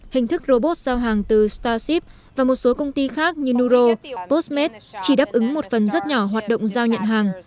hình thức robot giao hàng từ starship và một số công ty khác như nuro postmat chỉ đáp ứng một phần rất nhỏ hoạt động giao nhận hàng